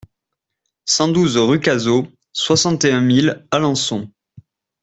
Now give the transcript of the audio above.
cent douze rue Cazault, soixante et un mille Alençon